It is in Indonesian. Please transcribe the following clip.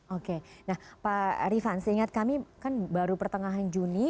oke nah pak rifan seingat kami kan baru pertengahan juni